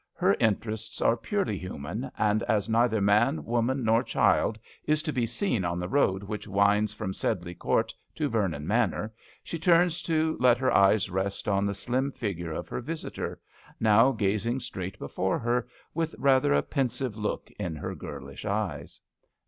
Her interests are purely human, and as neither man, woman, nor child is to be seen on the road which winds from Sedley Court to Vernon Manor, she turns to let her eyes rest on the slim figure of her visitor, now gazing i 154 GRANNY LOVELOCK AT HOME. straight before her with rather a pensive look in her girlish eyes.